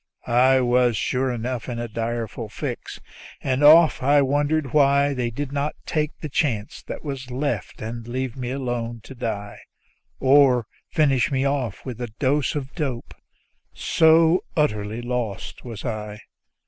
I was sure enough in a direful fix, and often I wondered why They did not take the chance that was left and leave me alone to die, Or finish me off with a dose of dope so utterly lost was I.